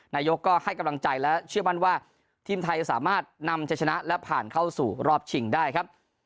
นายกก็ให้กำลังใจและเชื่อมั่นว่าทีมไทยจะสามารถนำชัยชนะและผ่านเข้าสู่รอบชิงได้ครับ